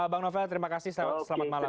bang novel terima kasih selamat malam